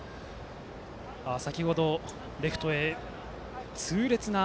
先程レフトへ痛烈な。